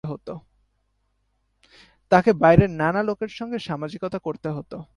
তাঁকে বাইরের নানা লোকের সঙ্গে সামাজিকতা করতে হত।